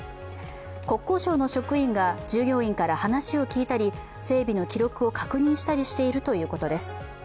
国交省の職員が従業員から話を聞いたり整備の記録を確認したりしているということです。